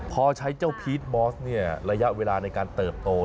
พอใช้เจ้าพีชมอสละยะเวลาในการเติบโต